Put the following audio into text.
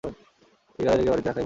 এই গাধাটিকে বাড়িতে রাখাই ভুল হয়েছে।